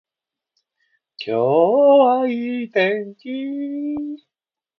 今日はいい天気